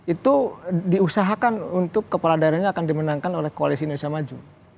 itu diusahakan untuk kepala daerahnya akan dimenangkan oleh koalisi indonesia maju